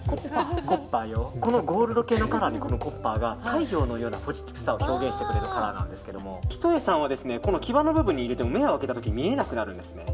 ゴールド系のカラーのコッパーが太陽のようなポジティブさを表現してくれるカラーなんですが一重さんは際の部分を入れても目を開けた時見えなくなるんですね。